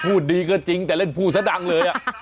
พูดดีก็จริงแต่เล่นพูดซะดังเลย